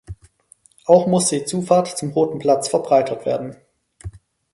Auch musste die Zufahrt zum Roten Platz verbreitert werden.